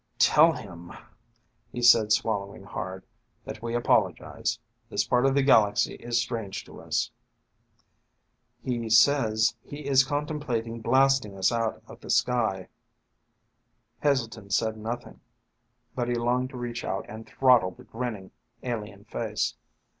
"Tell him," he said, swallowing hard, "that we apologize. This part of the galaxy is strange to us." "He says he is contemplating blasting us out of the sky." Heselton said nothing, but he longed to reach out and throttle the grinning, alien face.